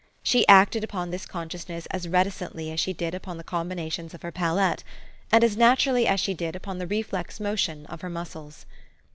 She acted upon this consciousness as reticently as she did upon the combinations of her palette, and as naturally as she did upon the reflex motion of her muscles.